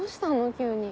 急に。